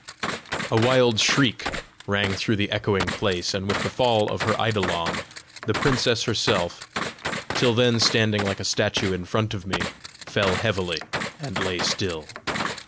A wild shriek rang through the echoing place, and with the fall of her eidolon, the princess herself, till then standing like a statue in front of me, fell heavily, and lay still.